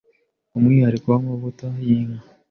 Umwihariko w’amavuta y’inka